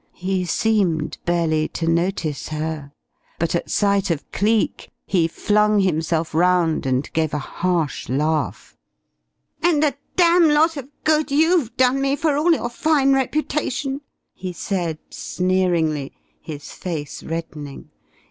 He seemed barely to notice her, but at sight of Cleek he flung himself round, and gave a harsh laugh. "And a damn lot of good you've done me, for all your fine reputation!" he said sneeringly, his face reddening.